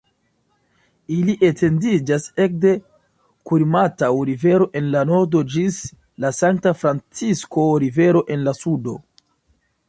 Ili etendiĝas ekde Kurimataŭ-Rivero en la nordo ĝis la Sankta-Francisko-Rivero en la sudo.